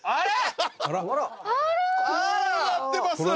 あれ！？」